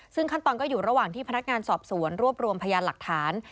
ซึ่งขั้นตอนก็อยู่ระหว่างที่พนักงานสอบสวนรวบรวมพยานหลักฐาน